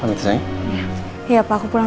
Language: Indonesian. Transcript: akan bisa menjadi pohon bimbing